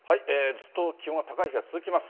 ずっと気温が高い日が続きます。